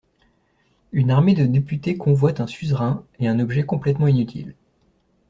Une armée de députés convoitent un suzerain et un objet complètement inutile.